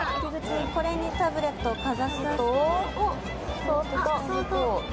これにタブレットをかざすと。